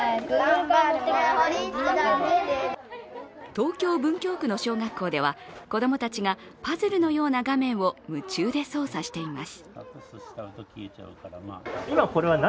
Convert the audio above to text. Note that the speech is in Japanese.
東京・文京区の小学校では子供たちがパズルのような画面を夢中で操作しています。